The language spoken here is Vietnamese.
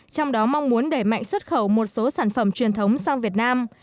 trong đó mong muốn đẩy mạnh xuất khẩu một số sản phẩm truyền thống sang việt nam